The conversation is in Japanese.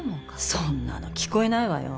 そんなの聞こえないわよ。